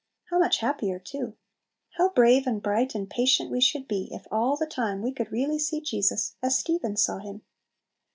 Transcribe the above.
How much happier too! How brave, and bright, and patient we should be, if all the time we could really see Jesus as Stephen saw Him!